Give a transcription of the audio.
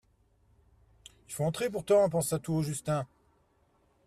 Il faut entrer, pourtant ! pensa tout haut Justin.